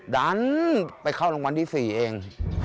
ดันไปเข้ารางวัลที่๔เอง